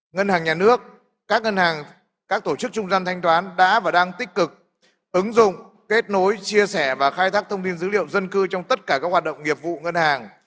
ngân hàng nhà nước các ngân hàng các tổ chức trung gian thanh toán đã và đang tích cực ứng dụng kết nối chia sẻ và khai thác thông tin dữ liệu dân cư trong tất cả các hoạt động nghiệp vụ ngân hàng